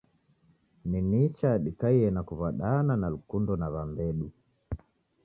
Ni nicha dikaiye na kuw'adana na lukundo na w'ambedu.